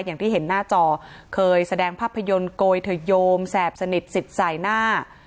อย่างที่เห็นหน้าจอเคยแสดงภาพยนตร์โกยเธอโยมแสบสนิทสิทธิ์ใส่หน้า